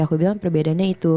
aku bilang perbedaannya itu